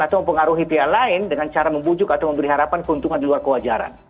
atau mempengaruhi pihak lain dengan cara membujuk atau memberi harapan keuntungan di luar kewajaran